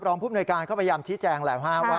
รองผู้บุญธิการก็พยายามชี้แจงแหล่งว่า